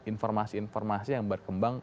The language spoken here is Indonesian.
informasi informasi yang berkembang